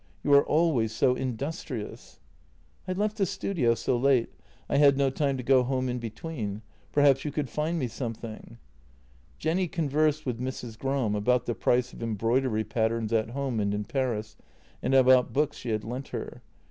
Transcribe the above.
"You are always so industrious." " I left the studio so late, I had no time to go home in be tween. Perhaps you could find me something?" Jenny conversed with Mrs. Gram about the price of em broidery patterns at home and in Paris, and about books she had lent her.